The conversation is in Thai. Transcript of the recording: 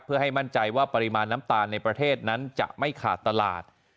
เพื่อให้มั่นใจว่าปริมาณน้ำตาลในประเทศนั้นจะไม่ขาดตลาด